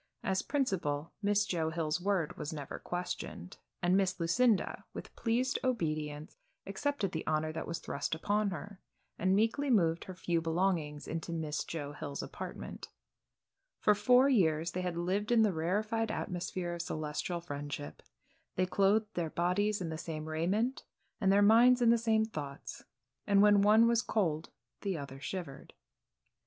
As principal, Miss Joe Hill's word was never questioned, and Miss Lucinda, with pleased obedience, accepted the honor that was thrust upon her, and meekly moved her few belongings into Miss Joe Hill's apartment. For four years they had lived in the rarified atmosphere of celestial friendship. They clothed their bodies in the same raiment, and their minds in the same thoughts, and when one was cold the other shivered.